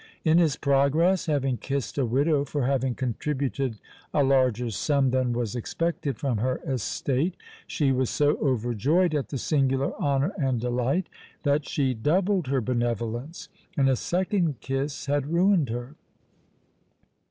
In his progress, having kissed a widow for having contributed a larger sum than was expected from her estate, she was so overjoyed at the singular honour and delight, that she doubled her benevolence, and a second kiss had ruined her!